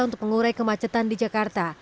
untuk mengurai kemacetan di jakarta